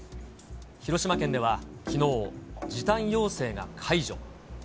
広島県ではきのう、時短要請が解除。